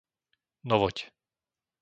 Novoť